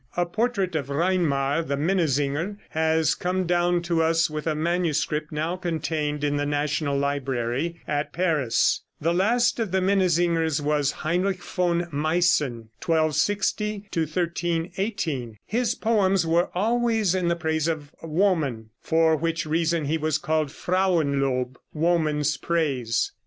A portrait of Reinmar, the minnesinger, has come down to us with a manuscript now contained in the National Library at Paris. The last of the minnesingers was Heinrich von Meissen, 1260 1318. His poems were always in the praise of woman, for which reason he was called Frauenlob ("Woman's Praise").